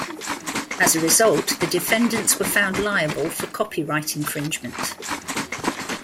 As a result, the defendants were found liable for copyright infringement.